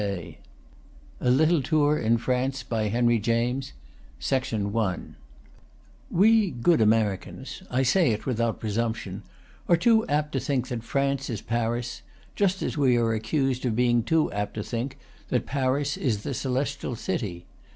com A Little Tour In France by Henry James, We good Americans I say it without presumption are too apt to think that France is Paris, just as we are accused of being too apt to think that Paris is the celestial city.